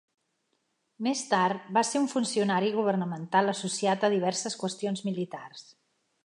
Més tard, va ser un funcionari governamental associat a diverses qüestions militars.